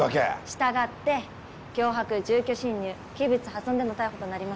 したがって脅迫住居侵入器物破損での逮捕となります。